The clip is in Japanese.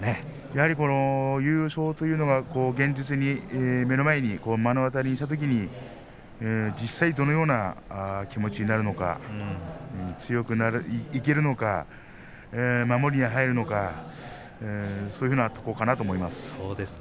やはり優勝というのが現実に目の前に目の当たりにしたときに実際どのような気持ちになるのか強くいけるのか守りに入るのかそういうところかなと思います。